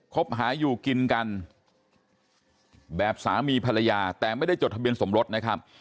คบหาอยู่กินกันแบบสามีภรรยาแต่ไม่ได้จดทะเบียนสมรสนะครับ